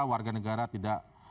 warga negara tidak